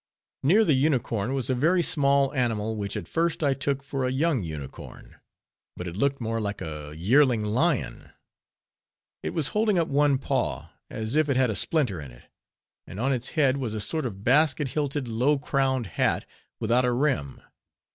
Near the unicorn was a very small animal, which at first I took for a young unicorn; but it looked more like a yearling lion. It was holding up one paw, as if it had a splinter in it; and on its head was a sort of basket hilted, low crowned hat, without a rim.